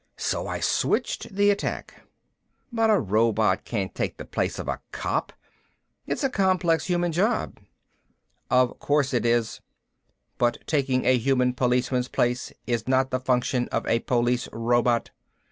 So I switched the attack. "But a robot can't take the place of a cop, it's a complex human job." "Of course it is, but taking a human policeman's place is not the function of a police robot.